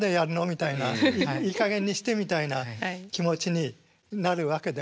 みたいないいかげんにしてみたいな気持ちになるわけでありましょう。